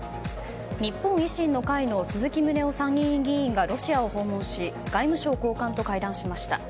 日本維新の会の鈴木宗男参議院議員がロシアを訪問し外務省高官と会談しました。